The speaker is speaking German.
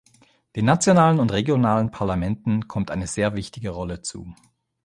Den nationalen und regionalen Parlamenten kommt eine sehr wichtige Rolle zu.